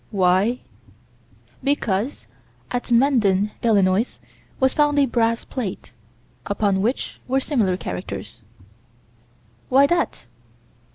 Why? Because, at Mendon, Ill., was found a brass plate, upon which were similar characters. Why that?